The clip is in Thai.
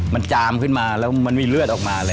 มันจามขึ้นมาแล้วมันมีเลือดออกมาเลย